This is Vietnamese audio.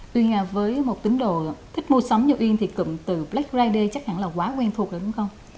tuy nha với một tín đồ thích mua sắm như uyên thì cụm từ black friday chắc hẳn là quá quen thuộc đúng không